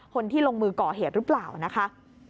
คนที่ลงมือก่อเหตุหรือเปล่านะคะ